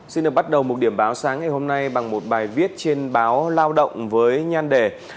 xin được bắt đầu một điểm báo sáng ngày hôm nay bằng một bài viết trên báo lao động với nhan đề